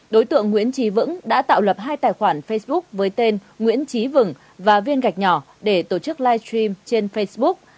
đối tượng nguyễn trí vững đã tạo lập hai tài khoản facebook với tên nguyễn trí vừng và viên gạch nhỏ để tổ chức live stream trên facebook